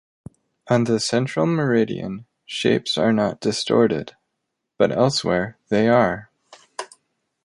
On the central meridian, shapes are not distorted, but elsewhere they are.